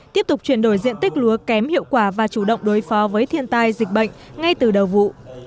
tiếp tục chuyển đổi diện tích lúa kém hiệu quả và chủ động đối phó với thiên tai dịch bệnh ngay từ đầu vụ